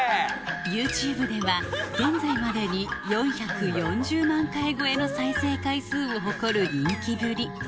ＹｏｕＴｕｂｅでは現在までに４４０万回超えの再生回数を誇る人気ぶり